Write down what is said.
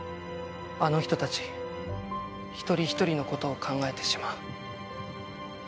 あの人達一人一人のことを考えてしまう